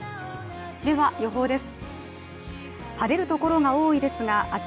では、予報です。